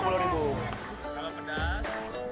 kalau pedas berisi